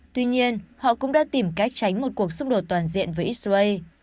tuy nhiên họ cũng đã tìm cách tránh một cuộc xung đột toàn diện với israel